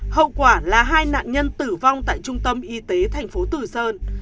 hậu quả là hai nạn nhân tử vong tại trung tâm y tế thành phố tử sơn